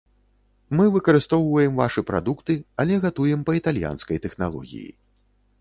Мы выкарыстоўваем вашы прадукты, але гатуем па італьянскай тэхналогіі.